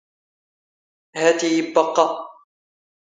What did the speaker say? ⵀⴰⵜ ⵉ ⵉⴱⴱⴰⵇⵇⴰ.